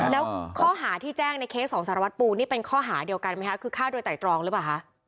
แล้วข้อหาที่แจ้งในเคสของสารวัตรปูนี่เป็นข้อหาเดียวกันไหมคะคือฆ่าโดยไตรตรองหรือเปล่าคะ